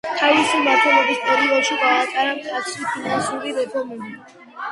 თავისი მმართველობის პერიოდში გაატარა მკაცრი ფინანსური რეფორმები.